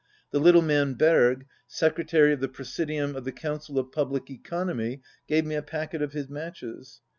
The little man, Berg, secretary of the Presidium of the Council of Public Economy, gave me a packet of his matches.